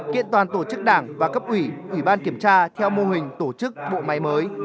kiện toàn tổ chức đảng và cấp ủy ủy ban kiểm tra theo mô hình tổ chức bộ máy mới